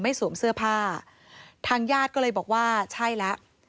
สวมเสื้อผ้าทางญาติก็เลยบอกว่าใช่แล้ว